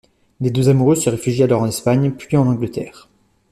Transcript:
Les deux amoureux se réfugient alors en Espagne, puis en Angleterre.